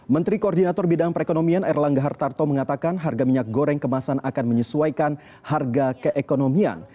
menteri koordinator bidang perekonomian erlangga hartarto mengatakan harga minyak goreng kemasan akan menyesuaikan harga keekonomian